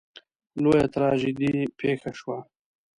لویه تراژیدي پېښه شوه.